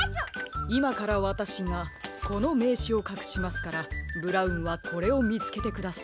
いまからわたしがこのめいしをかくしますからブラウンはこれをみつけてください。